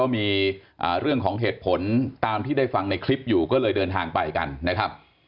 มีเรื่องของเหตุผลตามที่ได้ฟังในคลิปอยู่ก็เลยเดินทางไปกันนะครับ